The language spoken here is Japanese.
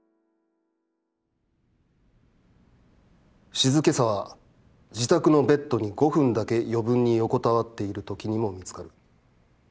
「静けさは自宅のベッドに五分だけ余分に横たわっているときにも見つかる。